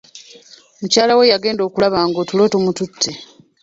Mukyala we yagenda okulaba nga otulo tumutute.